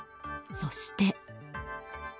そして。